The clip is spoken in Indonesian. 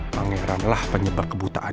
pangeran lah penyebar kebutuhan